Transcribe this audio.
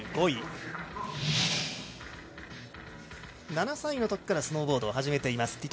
２５位、７歳の時からスノーボードを始めています